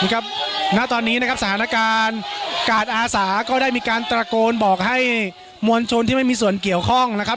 นี่ครับณตอนนี้นะครับสถานการณ์กาดอาสาก็ได้มีการตระโกนบอกให้มวลชนที่ไม่มีส่วนเกี่ยวข้องนะครับ